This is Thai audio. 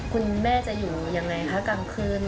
คุณแม่จะอยู่ยังไงคะกลางคืน